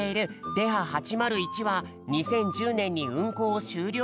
デハ８０１は２０１０ねんにうんこうをしゅうりょう。